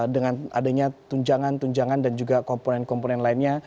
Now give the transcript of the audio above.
dengan adanya tunjangan tunjangan dan juga komponen komponen lainnya